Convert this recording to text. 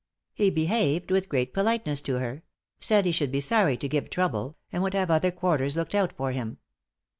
He behaved with great politeness to her; said he should be sorry to give trouble, and would have other quarters looked out for him.